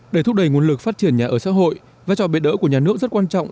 để thúc đẩy nguồn lực phát triển nhà ở xã hội vai trò bệ đỡ của nhà nước rất quan trọng